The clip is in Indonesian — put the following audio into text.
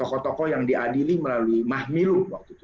tokoh tokoh yang diadili melalui mahmilu waktu itu